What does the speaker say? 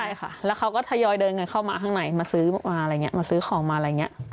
ใช่ค่ะแล้วเขาก็ทยอยเดินเงินเข้ามาข้างในมาซื้อของมาอะไรอย่างนี้